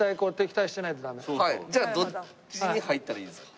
はいじゃあどっちに入ったらいいですか？